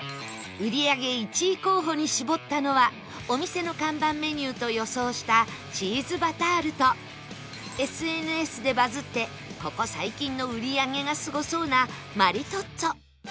売り上げ１位候補に絞ったのはお店の看板メニューと予想したチーズバタールと ＳＮＳ でバズってここ最近の売り上げがすごそうなマリトッツォ